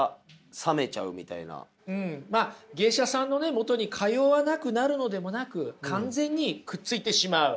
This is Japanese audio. まあ芸者さんのねもとに通わなくなるのでもなく完全にくっついてしまう。